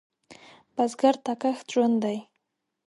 بزګر ته کښت ژوند دی